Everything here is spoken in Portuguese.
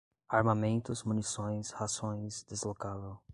armamentos, munições, rações, deslocavam